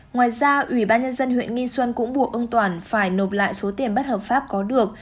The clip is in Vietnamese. ngoài ra ủy ban nhân dân huyện nghi xuân cũng buộc ông toàn phải nộp lại số tiền bất hợp pháp có được